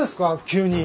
急に。